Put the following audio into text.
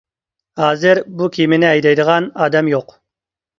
ھازىر بۇ كېمىنى ھەيدەيدىغان ئادەم يوق.